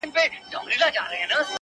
له ګودره یمه ستړی له پېزوانه یمه ستړی.!